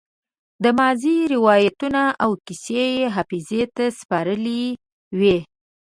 د ماضي روايتونه او کيسې يې حافظې ته سپارلې وي.